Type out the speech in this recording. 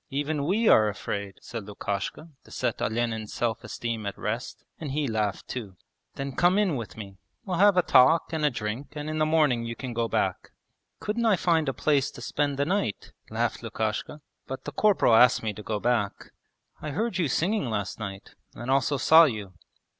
Even we are afraid,' said Lukashka to set Olenin's self esteem at rest, and he laughed too. 'Then come in with me. We'll have a talk and a drink and in the morning you can go back.' 'Couldn't I find a place to spend the night?' laughed Lukashka. 'But the corporal asked me to go back.' 'I heard you singing last night, and also saw you.'